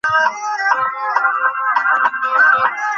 তিনি আরবি, ফার্সি, তুর্কি, মারাঠি ও কন্নড় ভাষায় দক্ষ ছিলেন।